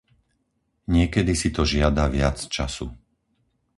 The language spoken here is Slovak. Niekedy si to žiada viac času.